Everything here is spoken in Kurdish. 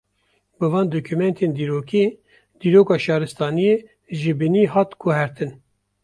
Bi van dokumentên dîrokî, dîroka şaristaniyê ji binî hat guhartin